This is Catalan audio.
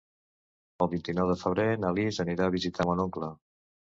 El vint-i-nou de febrer na Lis anirà a visitar mon oncle.